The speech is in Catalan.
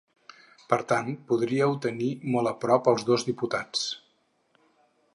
Per tant, podríeu tenir molt a prop els dos diputats.